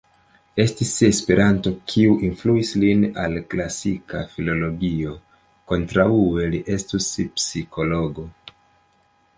Estis esperanto kiu influis lin al klasika filologio; kontraŭe li estus psikologo.